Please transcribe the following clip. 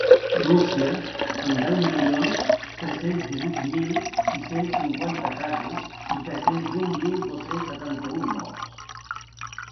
Rússia, amb deu milions tres-cents divuit mil sis-cents cinquanta casos i tres-cents un mil dos-cents setanta-un morts.